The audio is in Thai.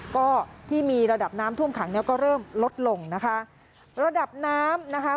ก็ที่มีระดับน้ำท่วมขังเนี้ยก็เริ่มลดลงนะคะระดับน้ำนะคะ